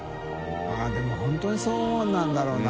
でも本当にそうなんだろうな。